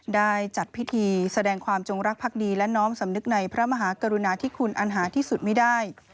ได้จัดพิธีแสดงความจงรักภักดีและน้อมสำนึกในพระมหากรุณาที่คุณอันหาที่สุดไม่ได้